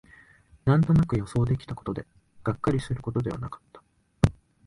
なんとなく予想できたことで、がっかりすることではなかった